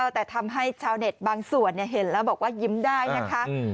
แต่ทำให้ชาวเน็ตบางส่วนเห็นแล้วบอกว่ายิ้มได้นะคะ